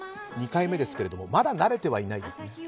２回目ですけれどもまだ慣れてはいないですね？